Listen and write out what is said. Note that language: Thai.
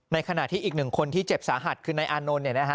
ขณะที่อีกหนึ่งคนที่เจ็บสาหัสคือนายอานนท์